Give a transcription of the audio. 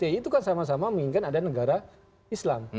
itu kan sama sama menginginkan ada negara islam